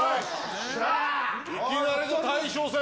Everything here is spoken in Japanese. いきなりの大将戦。